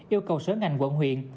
yêu cầu sở ngành quận huyện